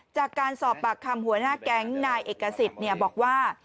จากการสอบปากคำหัวหน้าแก๊งนายเอกสิทธิ์บอกว่า